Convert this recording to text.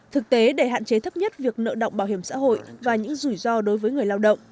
thực tế để hạn chế thấp nhất việc nợ động bảo hiểm xã hội và những rủi ro đối với người lao động